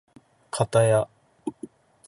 かたや